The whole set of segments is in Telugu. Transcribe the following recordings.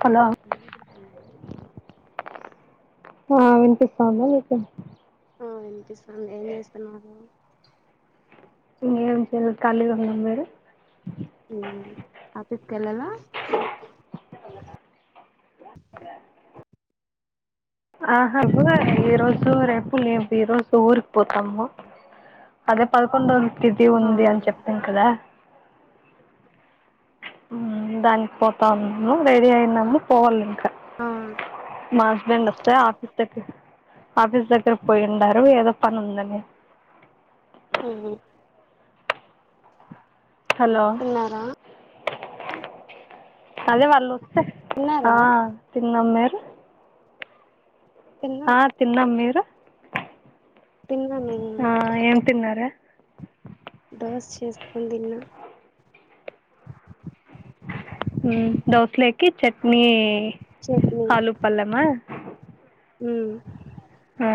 హల [inaudible] ఆ వినిపిస్తోందా నీకు అ వినిపిస్తాంది ఏం చేస్తున్నారు ఇంగేం చేయలె కలిగున్నాం మీరు ఊ ఆపీస్ కెళ్ళాల ఆహాబు ఈ రోజు రేపు లేవ్ ఈ రోజ్ ఊరిక్ పోతాము అదే పదకొండో తిది ఆ ఉంది అని చెప్పాం కదా ఉమ్మ్ దానిక్ పోతామ్ము రెడీ అయిందమ్ము పోవాలింకా ఆ మా హస్బెండ్ ఒస్తే ఆఫీస్ దకి ఆఫీస్ దగ్గర పోయూండారు ఏదో పన్ ఉందని ఉహు హలో ఉన్నారా అదే వాళ్ళుస్తే ఆ తిన్నారా తిన్నాం మీరు తిన్నాం ఆ తిన్నం మీరు తిన్నాను ఆ ఏం తిన్నారే దోస్ చేసుకొన్ తిన్న ఉహ్మ్ దోసలేకి చట్నీ చట్నీ పాలు పల్లమా ఉమ్ అ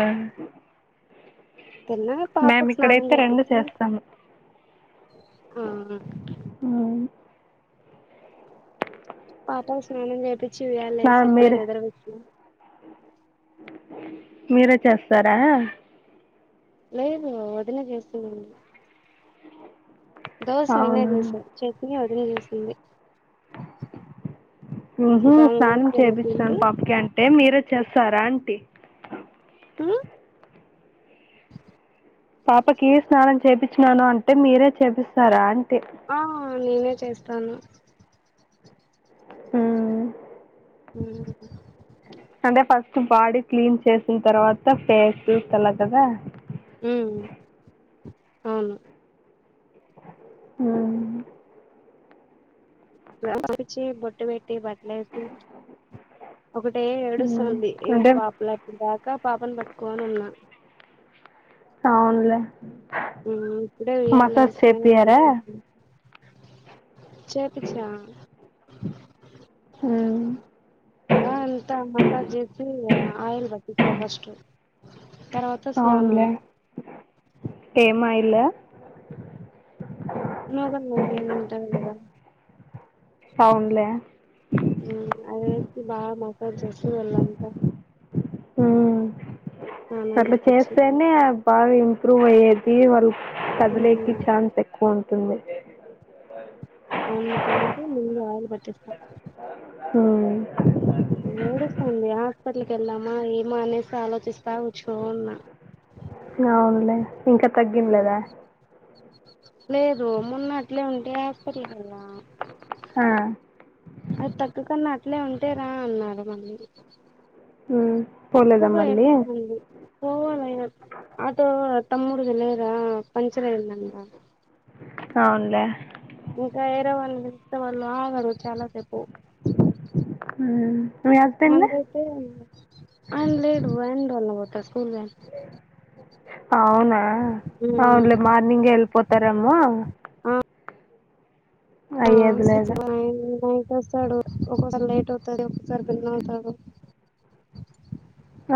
తిన్నా పాపక్ స్నానం ఇక్కడైతే రెండు చేపిచ్చి చేస్తాము ఆ ఆ పాపం స్నానం చేయించి ఉయ్యాలల ఏసిన ఇప్పుడే మీరే నిద్ర పూచ్చిన మీరే చేస్తారా లేదు వదిన చేస్తుంది దోశ నేనే అవునా చేసాం చట్నీ వదిన చేసింది ఉహు ఇక ఆమె స్నానం ఊరికి చేపించినాను వెళ్ళిపోయింది పాపకి అంటే మీరే చేస్తారా అంటీ ఉ పాపకి స్నానం చేపచ్చినాను అంటే మీరే చేపిస్తారా అంటే ఆ నేనే చేస్తాను ఉ ఉహు అంటే ఫస్ట్ బాడీ క్లీన్ చేసిన తర్వాత ఫేస్ చూస్త అలా కదా ఉ అవును ఉ నవ్వు పిచ్చి బొట్టు పెట్టి తే ఒకటే ఏడుస్తుంది ఏడు అంటే ఆపలే ఇప్పటి దాకా పాపను పట్టుకోని ఉన్నా అవునులే ఉ ఇప్పుడే ఉయ్యాలల మసాజ్ వేసి మీ చేపియరా ముందుకు వచ్చిన చేపిచ్చినవా ఉమ్ బా అంతా మసాజ్ చేసి ఆయిల్ పట్టిస ఫస్ట్ తర్వాత స్నానం అవునులే ఏం ఆయిల్ నువ్వుల నూనె ఏదో ఉంటది కదా కావునులే ఉ అదే బాగా మసాజ్ చేసి ఒళ్లంతా ఉ స్నానం అట్లా చేపిచ్చి చేస్తేనే బాగా ఇంప్రూవ్ అయ్యేది వాళ్ళ కదిలేకి ఛాన్స్ ఎక్కువ ఉంటుంది అవును అనేది ముందు ఆయిలు పట్టిస్తాం ఉ ఏడుస్తుంది హాస్పిటల్కి ఎల్లమ ఏమో అనేసి ఆలోచిస్తా కూర్చొని ఉన్న అవునులే ఇంకా ఉ తగ్గింలేదా లేదు మొన్న అట్లే ఉంటే హాస్పిటల్కి వెళ్లే హా అది తగ్గకున్న అట్లే ఉంటే రా అన్నారు మళ్ళీ ఉ ఎక్కువగా ఏడుస్తుంది పోవాల అయిన ఆటో తమ్ముడుది లేద పంచర్ అయిందంట అవును లే ఇంకా వేరే వాళ్ళని పిలిస్తే వాళ్ళు ఆగరు చాలా సేపు ఉ మీ అత్త అండి మందైతే ఆయన లేడు వ్యాన్ వ్యాన్ లోనే పోత స్కూల్ వ్యాన్ అవునా అవున్లే మార్నింగే వెళ్లిపోతారేమో అ అయ్యేది సిక్స్ లేదు పైన ఉండొచ్చు వస్తాడు ఒకోసారి లేట్ అవుతాది ఒక్కసారి బిన్న అవుతాడు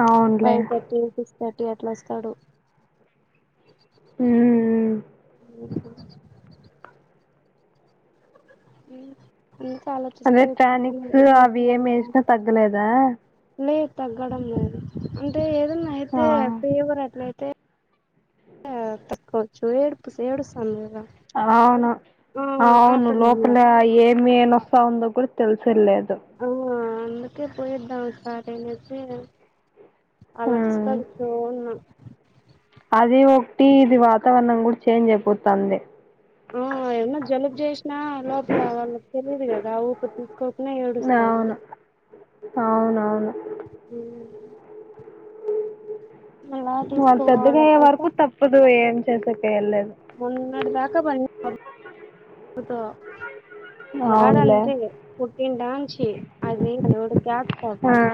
అవునులే ఫైవ్ థర్టీ సిక్స్ థర్టీ అట్లొస్తాడు హు హ్మ్ హు ఇంక [unintelligible] అదే టానిక్స్ అవి ఏం వేసిన తగ్గలేద లేద్ తగ్గడం లేదు అంటే ఏదన్న ఆ అయితే ఫీవర్ అట్లయితే తగ్గచ్చు [unintelligible] అవును అవును ఇంగ లోపల ఏ [unintelligible] తెలిసేలేదు అ అందుకే పొయ్యొద్దాం ఒకసారి అని చెప్పి ఉమ్. ఆలోచిస్తా కూచొన్న అది ఒకటి ఇది వాతవరణం గుడ చేంజ్ అయిపోతంది అ ఏమన్న జలుబు జేసిన లోపల వాళ్ళకి తెలియదు కద ఊపి [unintelligible] [unintelligible] నవును అవునవును హు మళ్ళా వాళ్ళు పెద్దగా తీసుకోవాల అయ్యే పోతే వరకు తప్పదు ఏం [unintelligible] మొన్నడి దాక [unintelligible] [unintelligible] అవునులే వాడంతే పుట్టిన డాంచి అది అడు గ్యాస్ ఆ ఫార్మర్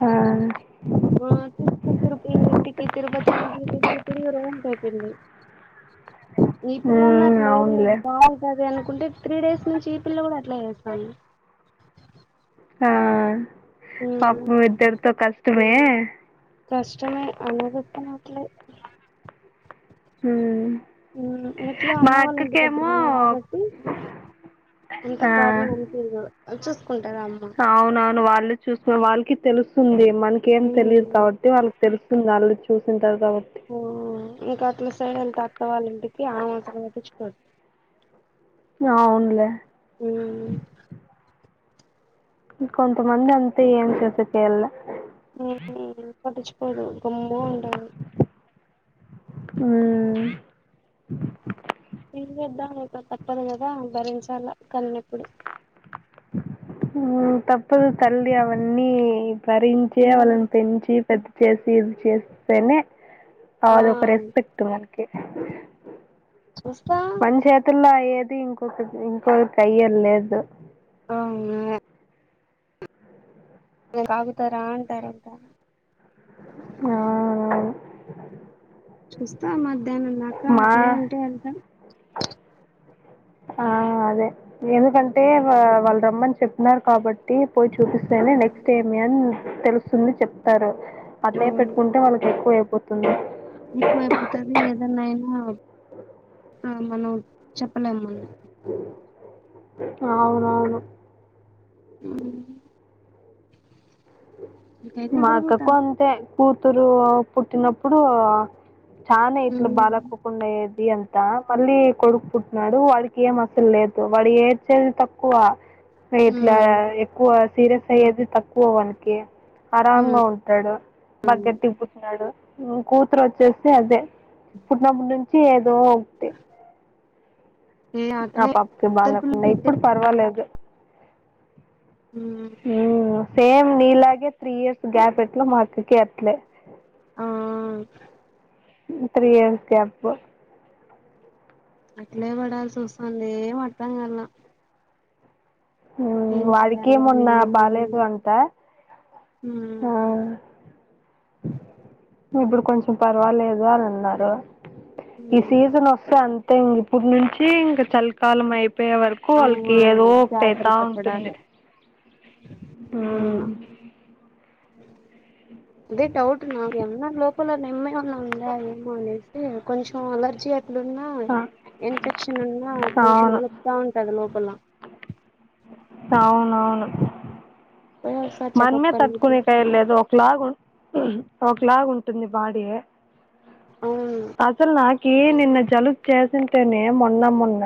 ఆ ఆ తీసుకోని [unintelligible] ఇంటికి తిరుపతికి ఇంటికి తిరిగి తిరిగి [unintelligible] అయిపోంది ఈ పిల్ల అన్న ఉమ్ అట్ల లేదు లే అవునులే బంటాది అనుకుంటే త్రీ డేస్ నుంచి ఈ పిల్ల గుడ అట్లే చేస్తంది ఆ ఉమ్ పాపము ఇద్దరితో కష్టమే కష్టమే [unintelligible] హు ఉమ్ ఎట్లో మా అమ్మ వాళ్ళ ఇంటి దగ్గర అక్కకేమో ఉన్నా కాబట్టి ఆ [unintelligible] చూసుకుంటార అమ్మ అవునవును వాళ్ళు చూసు వాళ్ళకి తెలుస్తుంది మనకేమి ఉమ్ తెలియదు కావట్టి వాళ్ తెలుస్తుంది వాళ్ళు చూసింటారు కావ ఇంక అట్ల సైడ్ అంటే అత్త వాళ్ళ ఇంటికి అమె అసలు పట్టించుకోదు అవున్లే ఊ కొంత మంది అంతే ఏం చేసేకి అయ్యల్లె పటిచుకోరు గమ్మున [unintelligible] హు ఎం చేద్దాం ఇంక తప్పదు కదా భరించాల కన్నప్పుడు తప్పదు తల్లి అవన్నీ [unintelligible] పెంచి పెద్ద చేసి ఇది చేస్తేనే ఆ అదొక రెస్పెక్ట్ మనకి చూస్తా మం [unintelligible] [unintelligible] అయ్యేది ఇంకొక ఇంకొక [unintelligible] అవును [unintelligible] ఆగుతార అంటారంట ఆ చూస్త మధ్యానం దాక మా అట్లే ఉంటాయి [unintelligible] ఆ అదే ఎందుకంటే వా వాళ్లు రమ్మని చెప్పినారు కాబట్టి టీ పోయి చూసేస్తేనే అవును నెక్స్ట్ ఏమని తెలుస్తుంది చెప్తారు అట్లనే పెట్టుకుంటే వాళ్లకి ఎక్కువ అయిపోతుంది ఎక్కువైపోతాది ఏదన్నా అయినా ఆ మనం చెప్పలేం అవును అవును ఉ మా అక్కకు అంతే కూతురు పుట్టినప్పుడు చానా ఇట్లా బాలేక ఉండేది అంతా మళ్లీ కొడుకు పుట్టినాడు వాడికి ఏం అసలు లేదు వాడు ఏ ఏడ్చేది తక్కువ ఇట్లా ఎక్కువ సీరియస్ అయ్యేది తక్కువ వానకి అరాంగ ఉంటాడు బాగా గట్టిగా పుట్టినాడు ఉ కూతురు వచ్చేసి అదే పుట్టినప్పుడు నుంచి ఏదో ఏ ఆ అట్లే పాపకి ఇద్దరు బాలేకుండా పిల్లలకట్టే ఇప్పుడు పరవాలేదు ఉ ఉ సేమ్ నీలాగే త్రీ ఇయర్స్ గ్యాప్ ఎట్లో మా అక్కకి అట్లే ఉ ఉ త్రీ ఇయర్స్ గ్యాపు అట్లే పడాల్సి వస్తుంది ఏం అర్థం కాలే ఉ వాడికి చేయాలో మొన్న ఏమో బాలేదు అంట ఉ ఇప్పుడు కొంచెం పర్వాలేదు అని అన్నారు ఈ సీజన్ అవును వ సో అంతే ఇంకా ఇప్పుటి నుంచి ఇంకా చలికాలం అయిపోయే వరకు ఎక్కువ వాళ్ళకి ఏదో జాగ్రత్త [inaudible] ఉంటుంది పడాలి హ్మ్. అవును అదే డౌట్ నాకేమన్నా లోపల నిమ్మ ఉన్నా ఉందా ఏమో అనేసి కొంచెం అలర్జీ అట్లున్న ఆ! ఇన్ఫెక్షన్ ఉన్నా కొంచెం అవును. నల బాగుంటాడు లోపల అవునవును [inaudible] మనమే కళ్ళ చూసుకోండి తట్టుకునేయట్లేదు ఒకలాగ ఒకలాగ ఉంటుంది బాడీ అవును అసలు నాకి నిన్న జలుబు చేసింది నే మొన్న మొన్న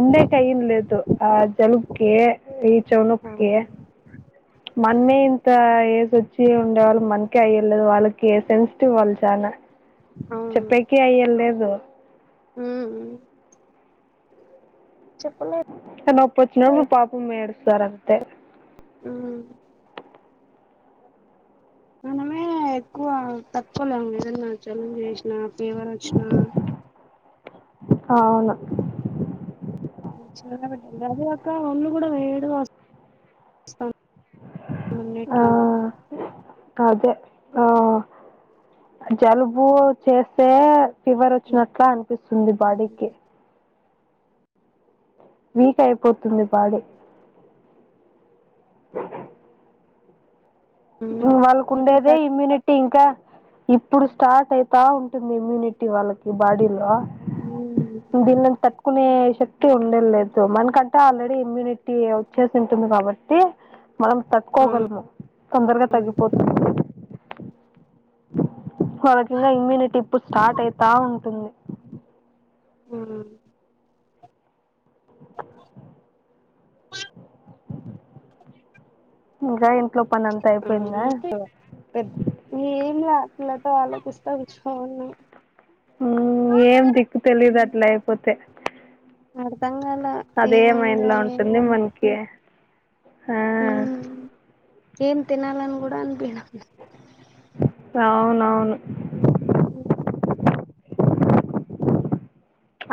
ఉండేకి అయ్య లేదు ఆ జలు కే ఈ చౌనొక్కే మనమే ఇంత ఏజ్ వచ్చి ఉండేవాళ్ళు మనకే అయ్యలేదు వాళ్లకి సెన్సిటివ్ వాళ్లు చానా అవును ఈ అయ్యలేదు ఉ చెప్పు మే త నొప్పి వచ్చినప్పుడు పాపం ఏడుస్తారు అంతే ఉ మనమే ఎక్కువ తట్టుకోలేము ఏదన్నా జలుబు చేసిన ఫీవర్ వచ్చినా అవును అదికాక ఒళ్ళు కూడా వేడిగా వ అవును ఉన్నట్టుండి ఇంకా అదే ఆ జలుబు చేస్తే ఫీవర్ వచ్చినట్లా అనిపిస్తుంది బాడీకి. వీక్ అయిపోతుంది బాడీ. వాళ్ళకు ఒక ఉండేదే థర్ ఇమ్యూనిటీ అంటే ఇంకా ఇప్పుడు స్టార్ట్ అయితా ఉంటుంది ఇమ్యూనిటీ వాళ్ళకి బాడీలో. దీనిని తట్టుకునే శక్తి ఉండల్లేదు మనకంటే ఆల్రెడీ ఇమ్యూనిటీ టీ వచ్చేసి ఉంటుంది కాబట్టి మనం ఆ తట్టుకోగలము. తొందరగా ఆ తగ్గిపోతుంది. మనకున్న ఇమ్యూనిటీ ఇప్పుడు స్టార్ట్ అవుతా ఉంటుంది. మ్ ఇక ఇంట్లో పని అంతా ఆ అయిపోయిందా? అంతే పెద్ద ఏం లా వీళ్ళతో ఆలోచిస్తా కూర్చున్నాం. ఏం దిక్కు తెలీదు అట్లా అయిపోతే. అర్థం కాలే అదే మైండ్లో ఉంటుంది మనకి ఆ ఏం తినాలని కూడా అనిపీయదు. అవునవును. ఉ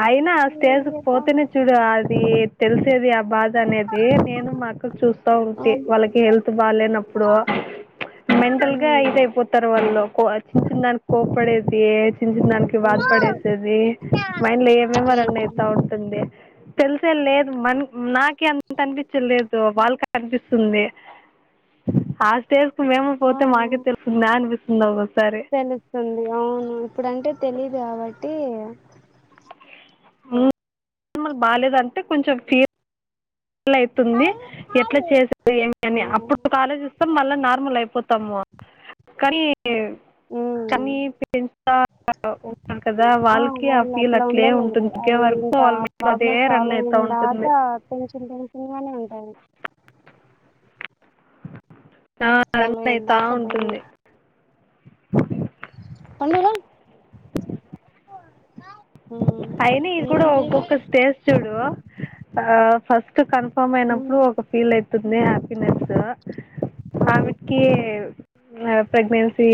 అయినా ఆ ఏం స్టేజ్ చేద్దాం పోతేనే చూడు అది తెలిసేది ఆ బాధ అనేది. అదే నేను మా అక్కకి చూస్తా ఉంటి అవును వాళ్ళకి హెల్త్ బాలేనప్పుడు. మెంటల్ గా ఇది అయిపో తారు వాళ్లు. చిన్న దానికి కోపడేసి చిన్న చిన్న దానికి బాధ పడేసేసి మైండ్లో ఏమేమౌ రన్ అవుతా ఉంటుంది. తెల్సల్లేదు మన్ నాకి అంత అనిపించలేదు వాళ్ళకి అనిపిస్తుంది. ఆ స్టేజ్ కు మేము పోతే అవును మాకే తెలుస్తుందా అనిపిస్తుంది ఒక్కోసారి. తెలుస్తుంది అవును ఇప్పుడ అంటే తెలీదు కాబట్టి. ఇంతకుముందు బాలేదంటే కొంచెం ఫియర్ ఎట్లా ఆ అవుతుంది. ఎట్లా చేసారు? ఏమి అని అప్పుడు ఆలోచి మళ్ళా నార్మల్ అయిపోతాము. కానీ ఉమ్ కానీ పేరెంట్స్ ఉంటారు కదా వాళ్ళకి ఆ వాళ్ళు ఫీల్ అట్లా అట్లే ఉండలేరు ఉంటుంది. తగ్గే అది వరకు ఇంకా వాళ్ళ మైండ్లో అదే ప్రాబ్లమ్ రన్ సాల్వ్ అవుతూ అయిందాక ఉంటుంది టెన్షన్ టెన్షన్ గానే ఉంటుంది. ఆ సాల్వ్ అంతే అయిన అయితా దాకా భయమే ఉంటుంది. పండూరం [unintelligible] అయినా ఇది కూడా ఏం చేయలేం ఒక్కొక్క స్టేజ్ చూడు ఫస్ట్ కన ఫమ్ అయినప్పుడు ఉమ్ ఒక ఫీల్ అయితుంది. హ్యాపీనెస్ అవును ఆమెకి ప్రెగ్నెన్సీ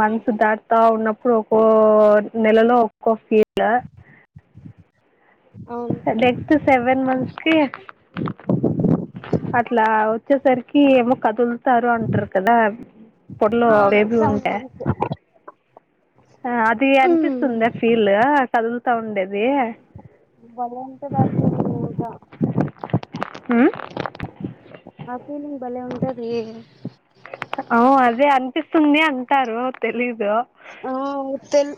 మంత్ దా దా ఉన్నప్పుడు ఒక్కో నెలలో ఒక్కో ఫీల్. అవును నెక్స్ట్ సెవెన్ మంత్స్ కీ అట్లా వచ్చేసరికి ఏమో కదులుతారు అంటారు కదా? పొట్లో ఆ బేబీ సెవెన్ ఉండే మంత్స్ ఆ అది ఉమ్ అనిపిస్తుంద ఆ ఫీల్ కదులుతా ఉండేది. భలే ఉంటది ఆ ఫీల్ ఇగ మ్ ఆ ఫీలింగ్ భలే ఉంటది. అ అదే అనిపిస్తుంది అంటారు తెలీదు ఆ అవుతేల్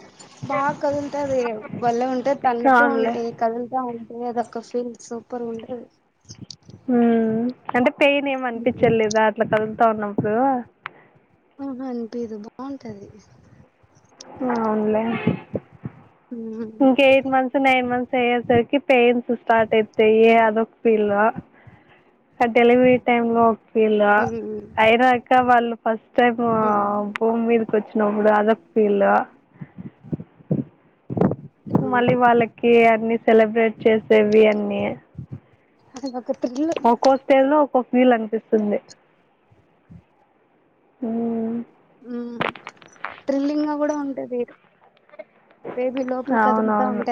బాగా కదులుతది బల్ల ఉంటే తంతూ అవునులే ఉంటేయి కదులుతా ఉంటాయి అదక్క ఫీల్ సూపర్ ఉంటది ఉ అంటే పెయిన్ ఏం అనిపించ లేదా అట్లా కదుల్తా ఉన్నప్పుడు ఆహ అనిపిదు బాగుంటది అవునులే ఇంక ఎయిట్ మంత్స్ నైన్ మంత్స్ అయ్యేసరికి పెయిన్స్ స్టార్ట్ అయితాయి అదొక ఫీల్ ఆ డెలివరీ టైమ్ లో ఒక ఫీల్ అయినాక వాళ్ళు ఫస్ట్ టైం హోమ్ మీదకి వచ్చినప్పుడు అదొక ఫీల్ మళ్ళీ వాళ్ళకి అన్నిీ సెలబ్రేట్ చేసేవి అన్నీ అది ఒక థ్రిల్ ఒక్కొక్క స్టేల్ లో ఒక్కొక్క ఫీల్ అనిపిస్తుంది అ ఉ ట్రిల్లింగ్ గా కూడా ఉంటది బేబీ లోపలు కదులుతా అవునవును ఉంటే